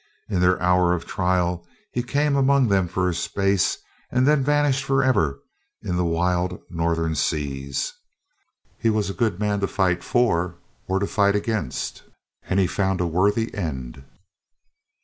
In their hour of trial he came among them for a space, and then vanished forever in the wild Northern seas. He was a good man to fight for or to fight against, and he found a worthy end."